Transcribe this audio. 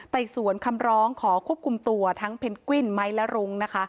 สวนคำร้องขอควบคุมตัวทั้งเพนกวินไม้และรุ้งนะคะ